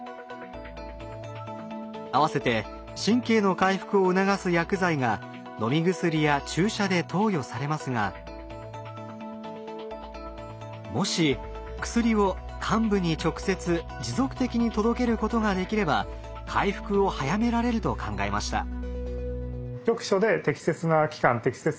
あわせて神経の回復を促す薬剤が飲み薬や注射で投与されますがもし薬を患部に直接持続的に届けることができれば回復を早められると考えました。